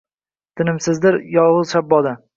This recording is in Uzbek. Tinimsizdir yolg’iz shaboda